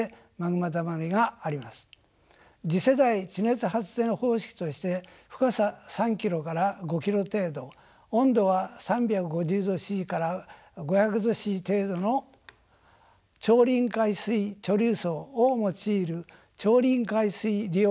次世代地熱発電方式として深さ３キロから５キロ程度温度は３５０℃から５００℃程度の超臨界水貯留層を用いる超臨界水利用発電があります。